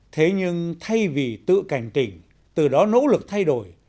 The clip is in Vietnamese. thế nhưng thay vì tự cảnh tỉnh từ đó nỗ lực thay đổi